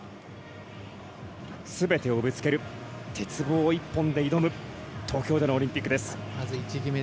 すべてをぶつける鉄棒一本で挑む東京でのオリンピックです。